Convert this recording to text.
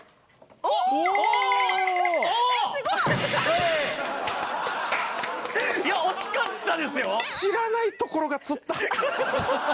すごい！惜しかったですよ。